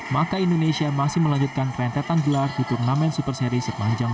maka indonesia masih melanjutkan kerentetan gelar di turnamen super series sepanjang dua ribu enam belas